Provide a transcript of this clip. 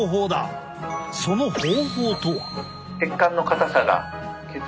その方法とは。